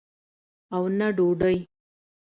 او نه ډوډۍ.